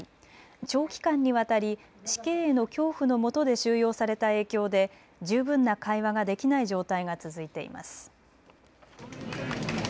長期間にわたり死刑への恐怖のもとで収容された影響で十分な会話ができない状態が続いています。